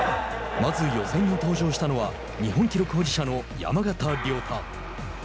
まず予選に登場したのは日本記録保持者の山縣亮太。